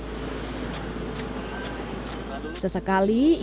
hai sesekali ia berjualan ke kawasan pasar minggu hingga kawasan tanjung barat jakarta selatan